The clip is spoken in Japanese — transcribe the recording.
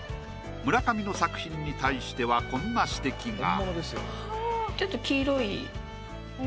村上の作品に対してはこんな指摘が。